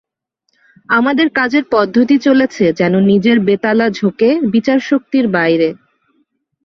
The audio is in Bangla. আমাদের কাজের পদ্ধতি চলেছে যেন নিজের বেতালা ঝোঁকে বিচারশক্তির বাইরে।